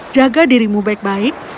jaga dirimu baik baik